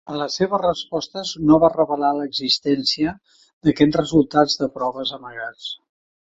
En les seves respostes no va revelar l'existència d'aquests resultats de proves amagats.